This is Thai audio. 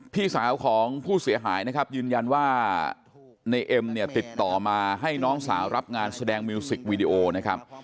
พี่สาวของผู้เสียหายนะครับยืนยันว่าในเอ็มเนี่ยติดต่อมาให้น้องสาวรับงานแสดงมิวสิกวีดีโอนะครับ